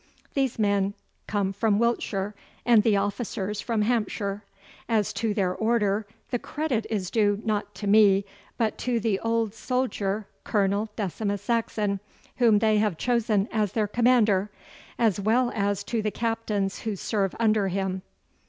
These men come from Wiltshire, and the officers from Hampshire. As to their order, the credit is due not to me, but to the old soldier Colonel Decimus Saxon, whom they have chosen as their commander, as well as to the captains who serve under him.